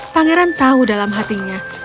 pangeran tahu dalam hatinya